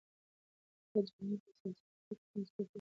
دا جملې د سياست او حقيقت تر منځ توپير ښيي.